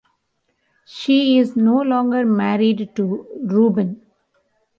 She is no longer married to Rubin.